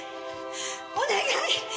お願い！